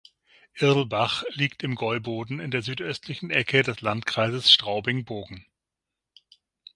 Irlbach liegt im Gäuboden in der südöstlichen Ecke des Landkreises Straubing-Bogen.